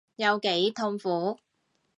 有幾痛苦